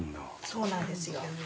そうなんですよ。